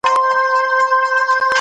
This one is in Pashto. ولي جګړه په نړیواله کچه ارزښت لري؟